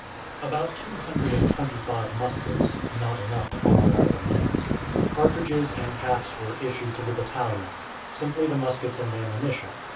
About two hundred and twenty five muskets (not enough to arm all the men), cartridges, and caps were issued to the battalion simply the muskets and ammunition.